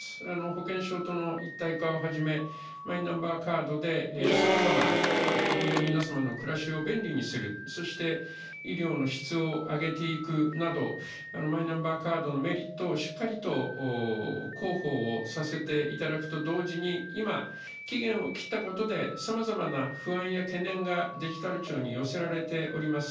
保険証との一体化をはじめ、マイナンバーカードでさまざま、国民の皆様の暮らしを便利にする、そして医療の質を上げていくなど、マイナンバーカードのメリットをしっかりと広報をさせていただくと同時に、今、期限を切ったことで、さまざまな不安や懸念がデジタル庁に寄せられております。